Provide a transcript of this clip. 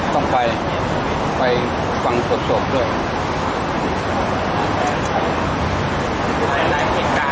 ต้องไปไปฟังโศกด้วย